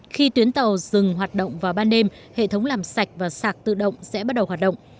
khi tuyến tàu dừng hoạt động vào ban đêm hệ thống làm sạch và sạc tự động sẽ bắt đầu hoạt động